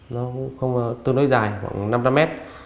nó tương đối dài khoảng năm trăm linh mét